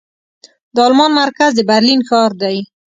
د المان مرکز د برلين ښار دې.